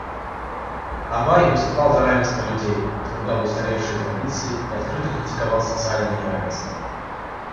Абай выступал за равенство людей, отвергал устаревшие традиции и открыто критиковал социальные неравенства.